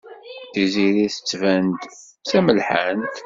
Tiziri tettban-d d tamelḥant.